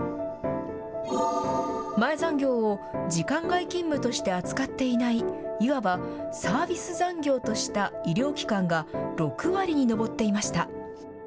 前残業を時間外勤務として扱っていない、いわばサービス残業とした医療機関が６割に上っていました。